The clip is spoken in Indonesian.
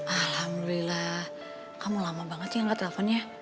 alhamdulillah kamu lama banget sih yang nginget telfonnya